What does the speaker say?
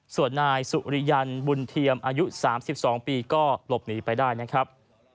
ส่วนนายสุริยันบุญเทียมอายุ๓๒ปีก็หลบหนีไปได้นะครับ